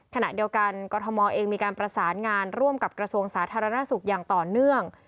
ขณะเดียวกันกรทมเองมีการประสานงานร่วมกับกระทรวงสาธารณสุขอย่างต่อเนื่อง